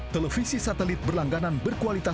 televisi satelit berlangganan berdasarkan